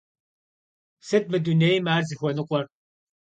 Сыт мы дунейм ар зыхуэныкъуэр?